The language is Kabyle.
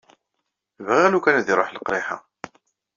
Bɣiɣ lukan ad iruḥ leqriḥ-a.